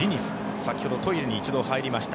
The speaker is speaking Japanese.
先ほどトイレに１度入りました。